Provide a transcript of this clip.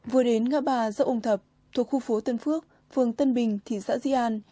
vừa đến ngã bà dậu úng thập thuộc khu phố tân phước phường tân bình thị xã di an